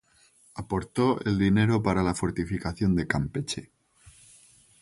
Aportó el dinero para la fortificación de Campeche.